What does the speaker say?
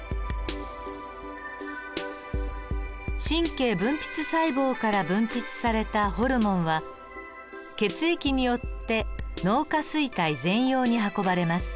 神経分泌細胞から分泌されたホルモンは血液によって脳下垂体前葉に運ばれます。